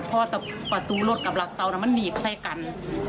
พ่อแต่ประตูรถกับหลักเศร้ามันหนีบใส่กัน